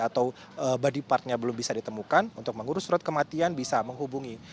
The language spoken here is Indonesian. atau body partnya belum bisa ditemukan untuk mengurus surat kematian bisa menghubungi